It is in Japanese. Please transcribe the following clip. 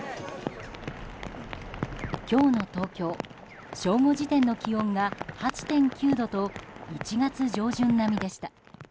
今日の東京正午時点の気温が８．９度と１月上旬並みでした。